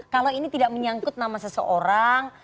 kalau ini tidak menyangkut nama seseorang